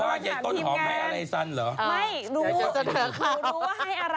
รู้หรอเงียนต้นหอมแม้อะไรสั่นหรอ